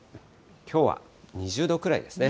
きょうは２０度くらいですね。